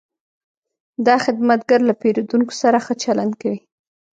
دا خدمتګر له پیرودونکو سره ښه چلند کوي.